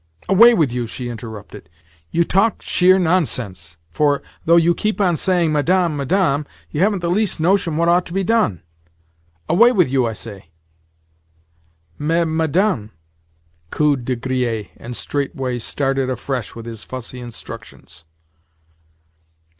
"Away with you!" she interrupted. "You talk sheer nonsense, for, though you keep on saying 'Madame, Madame,' you haven't the least notion what ought to be done. Away with you, I say!" "Mais, Madame," cooed De Griers—and straightway started afresh with his fussy instructions.